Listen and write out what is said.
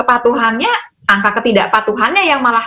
angka ketidakpatuhannya yang malah